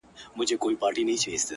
پرده به خود نو؛ گناه خوره سي؛